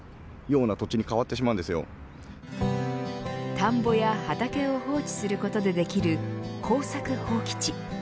田んぼや畑を放置することでできる耕作放棄地。